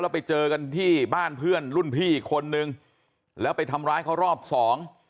ไปเจอกันที่บ้านเพื่อนรุ่นพี่อีกคนนึงแล้วไปทำร้ายเขารอบสอง